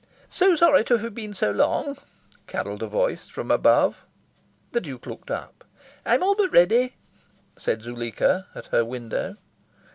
"So sorry to have been so long," carolled a voice from above. The Duke looked up. "I'm all but ready," said Zuleika at her window.